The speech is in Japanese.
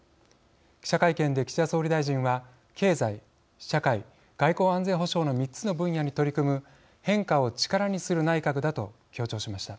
記者会見で岸田総理大臣は経済・社会・外交安全保障の３つの分野に取り組む変化を力にする内閣だと強調しました。